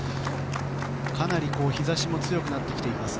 かなり日差しも強くなってきています。